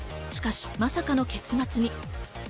しかし、まさかの結末に。